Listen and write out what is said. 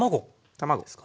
卵ですか。